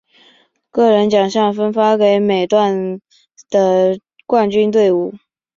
个人奖项颁发给每赛段的冠军队伍。